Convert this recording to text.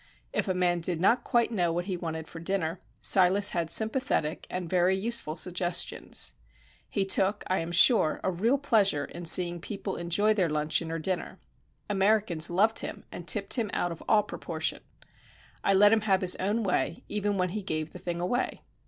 If a man did not quite know what he wanted for dinner, Silas had sympathetic and very useful suggestions. He took, I am sure, a real pleasure in seeing people enjoy their luncheon or dinner. Americans loved him, and tipped him out of all proportion. I let him have his own way, even when he gave the thing away.